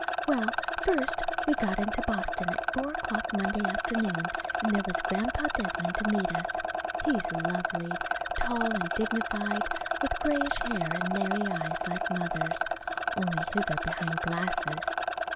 Well, first we got into Boston at four o'clock Monday afternoon, and there was Grandpa Desmond to meet us. He's lovely tall and dignified, with grayish hair and merry eyes like Mother's, only his are behind glasses.